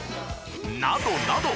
などなど